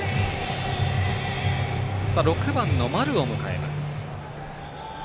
６番の丸を迎えます。